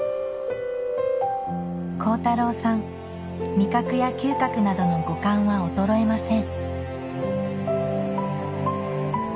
味覚や嗅覚などの五感は衰えません